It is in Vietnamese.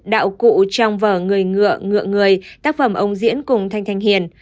đạo cụ trong vở người ngựa ngựa người tác phẩm ông diễn cùng thanh thanh hiền